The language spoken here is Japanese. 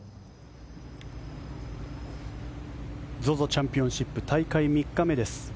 ＺＯＺＯチャンピオンシップ大会３日目です。